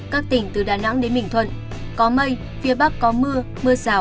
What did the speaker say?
các tỉnh từ đà nẵng đến bình thuận có mây phía bắc có mưa mưa rào và cây